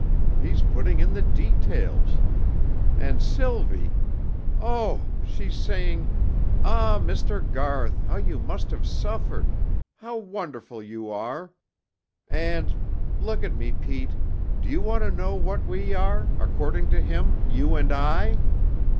He's putting in the details. And Sylvie: 'Oh!' she's saying, and 'Ah, Mr. Garth, how you must have suffered! How wonderful you are!' And look at me Pete do you want to know what we are according to him you and I?"